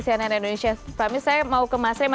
cnn indonesia prime news saya mau ke mas revo